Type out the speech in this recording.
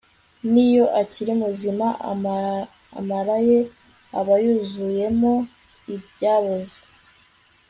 n'iyo akiri muzima, amara ye aba yuzuyemo ibyaboze